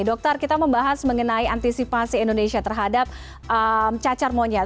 dokter kita membahas mengenai antisipasi indonesia terhadap cacar monyet